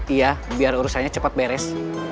iya biar urusannya cepat beres